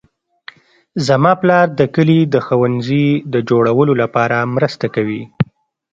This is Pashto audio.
زما پلار د کلي د ښوونځي د جوړولو لپاره مرسته کوي